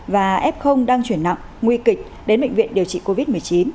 và f đang chuyển nặng nguy kịch đến bệnh viện điều trị covid một mươi chín